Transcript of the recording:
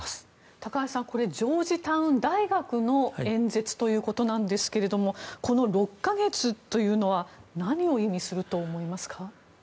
高橋さんジョージタウン大学の演説ということなんですけれどもこの６か月というのは何を意味すると思いますか？